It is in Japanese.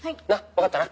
分かったな？